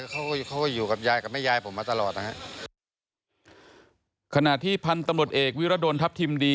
กับม่ายายผมมาตลอดนะคะขณะที่พันธมรดเอกวิราโดนทัพทิมดี